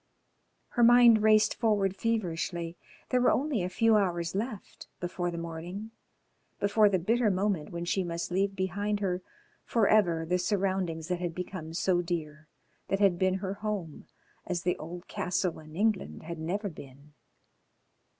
Her mind raced forward feverishly, there were only a few hours left before the morning, before the bitter moment when she must leave behind her for ever the surroundings that had become so dear, that had been her home as the old castle in England had never been.